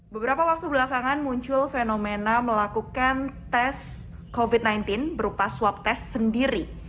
beberapa waktu belakangan muncul fenomena melakukan tes covid sembilan belas berupa swab test sendiri